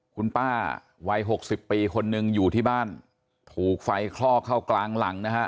คุณป้าวัยหกสิบปีคนหนึ่งอยู่ที่บ้านถูกไฟคลอกเข้ากลางหลังนะฮะ